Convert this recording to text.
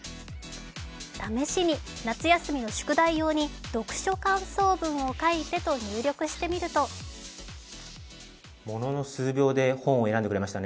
試しに、夏休みの宿題用に読書感想文を書いてと入力してみるとものの数秒で本を選んでくれました